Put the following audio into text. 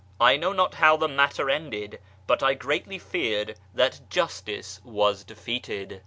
I know not how the matter ended, but I greatly fear that justice was defeated.